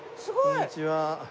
こんにちは。